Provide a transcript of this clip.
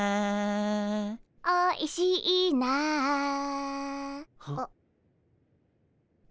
「おいしいな」あ。